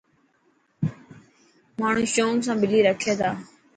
ماڻهو شونڪ سان ٻلي رکيا تا.